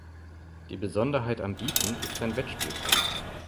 Die Besonderheit am Bieten ist sein Wettspiel-Charakter.